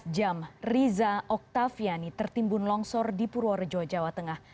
empat jam riza oktaviani tertimbun longsor di purworejo jawa tengah